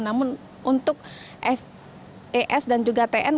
namun untuk es dan juga tn